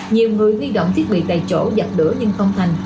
nhiều người huy động thiết bị tại chỗ giặt lửa nhưng không thành